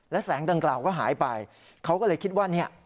และแสงดังกล่าวก็หายไปเขาก็เลยคิดว่าเนี่ย